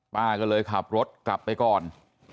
ป้าก็เลยขับรถกลับไปก่อน